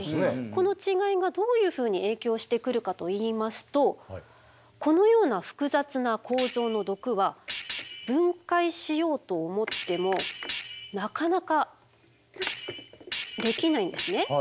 この違いがどういうふうに影響してくるかといいますとこのような複雑な構造の毒は分解しようと思ってもなかなかできないんですね。